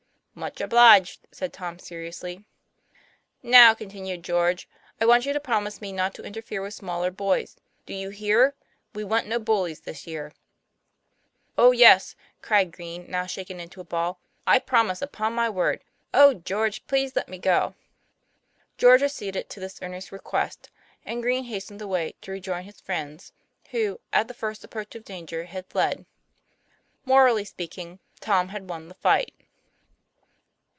'Much obliged," said Tom seriously. 'Now," continued George, "I want you to prom ise me not to interfere with smaller boys. Do you hear? We want no bullies this year." "Oh yes!" cried Green, now shaken into a ball. ' I promise, upon my word. Oh, George, please let me go." George acceded to this earnest request, and Green hastened away to rejoin his friends, who, at the first approach of danger, had fled. Morally speaking, Tom had won the fight.